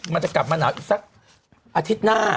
มันจะกลับมาหนาวอีกสักอาทิตย์หน้า